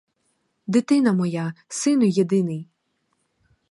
Дитино моя, сину єдиний!!